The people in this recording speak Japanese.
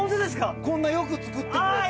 こんなよく作ってくれて。